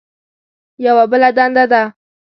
یوه بله دنده ده.